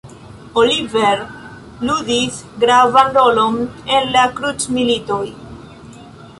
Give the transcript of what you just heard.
Oliver ludis gravan rolon en la krucmilitoj.